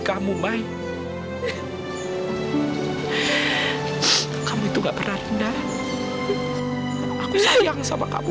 kamu pantes dapat wanita juga yang baik zak